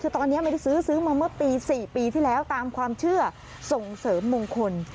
คือตอนนี้ไม่ได้ซื้อซื้อมาเมื่อปี๔ปีที่แล้วตามความเชื่อส่งเสริมมงคล